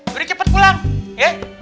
lo di cepet pulang ya